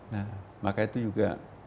nah maka itu juga